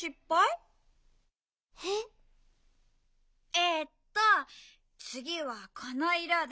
えっとつぎはこのいろで。